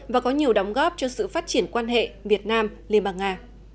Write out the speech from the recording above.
và có nhiều đóng góp cho sự phát triển quan hệ việt nam liên bang nga